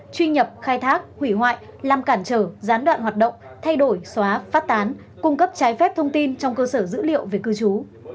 truy nhập khai thác hủy hoại làm cản trở gián đoạn hoạt động thay đổi xóa phát tán cung cấp trái phép thông tin trong cơ sở dữ liệu về cư trú